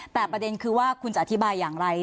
แต่ประเด็นคือว่าคุณจะอธิบายอย่างไร